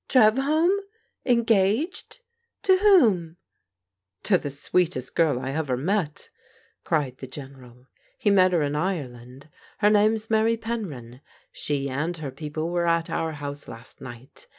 Trev home ! Engaged ! To whom ?" To the sweetest girl I ever met !" cried the General. He met her in Ireland. Her name's Mary Penryn. She and her people were at our house last night.